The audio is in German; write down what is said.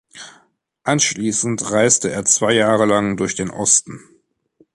Anschließend reiste er zwei Jahre lang durch den Osten.